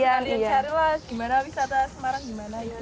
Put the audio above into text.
sekalian carilah gimana wisata semarang gimana itu